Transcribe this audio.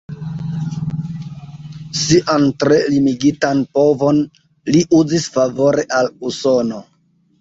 Sian tre limigitan povon li uzis favore al Usono.